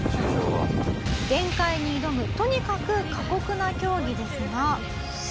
限界に挑むとにかく過酷な競技ですが。